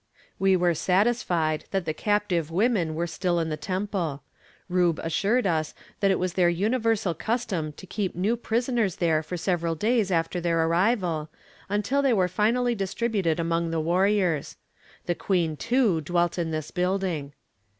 We were satisfied that the captive women were still in the temple. Rube assured us that it was their universal custom to keep new prisoners there for several days after their arrival, until they were finally distributed among the warriors. The queen, too, dwelt in this building.